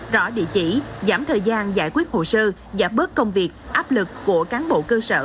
rõ địa chỉ giảm thời gian giải quyết hồ sơ giảm bớt công việc áp lực của cán bộ cơ sở